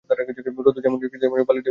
রৌদ্র যেমন নিষ্ঠুর, বালির ঢেউগুলাও তেমনি।